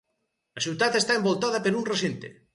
La ciutat està envoltada per un recinte.